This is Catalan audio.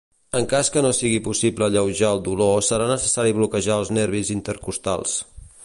En cas que no sigui possible alleujar el dolor serà necessari bloquejar els nervis intercostals.